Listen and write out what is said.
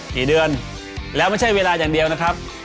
กี่เดือนแล้วไม่ใช่เวลาอย่างเดียวนะครับ